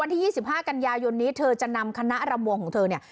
วันที่๒๕กันยายนนี้เธอจะนำคณะรำวงของเธอเนี่ย